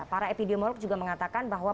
para epidemiolog juga mengatakan bahwa